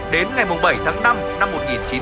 đến ngày bảy tháng năm năm một nghìn chín trăm năm mươi bốn